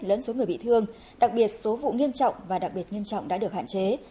lớn số người bị thương đặc biệt số vụ nghiêm trọng và đặc biệt nghiêm trọng đã được hạn chế